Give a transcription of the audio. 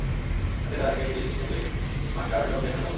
রাতের বেলা থানা থেকে পুলিশ এসে দুয়েক ঘণ্টার লোক দেখানো টহল দিচ্ছে।